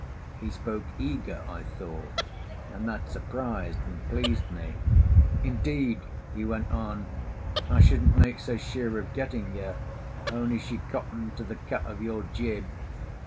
He spoke eager, I thought, and that surprised and pleased me. "Indeed," he went on, "I shouldn't make so sure of getting her, only she cottoned to the cut of your jib.